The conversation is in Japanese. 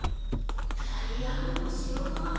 タイヤのおしろだ。